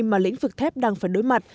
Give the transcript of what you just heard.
mà lĩnh vực thép đang phải đối mặt